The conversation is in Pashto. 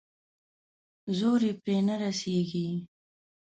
زور يې پرې نه رسېږي.